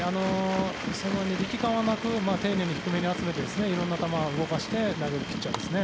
力感はなく丁寧に低めに集めて色んな球を動かして投げるピッチャーですね。